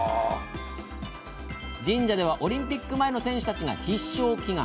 神社では、オリンピック前の選手たちが必勝祈願。